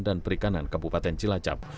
dan perikanan kabupaten cilacap